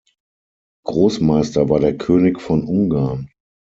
Großmeister war der König von Ungarn.